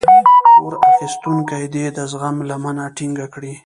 پور اخيستونکی دې د زغم لمنه ټينګه کړي.